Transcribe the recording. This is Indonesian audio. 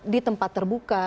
di tempat terbuka